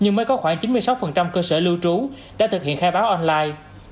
nhưng mới có khoảng chín mươi sáu cơ sở lưu trú đã thực hiện khai báo online